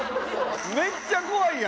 めっちゃ怖いやん！